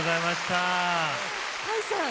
甲斐さん